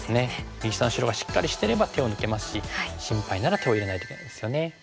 右下の白がしっかりしてれば手を抜けますし心配なら手を入れないといけないですよね。